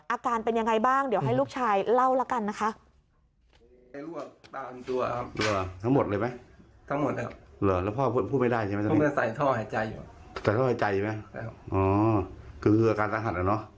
อาการเป็นยังไงบ้างเดี๋ยวให้ลูกชายเล่าแล้วกันนะคะ